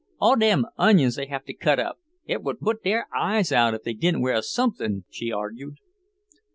"All them onions they have to cut up, it would put their eyes out if they didn't wear somethin'," she argued.